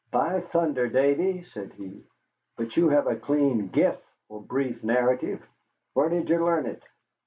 "By thunder, Davy," said he, "but you have a clean gift for brief narrative. Where did you learn it?"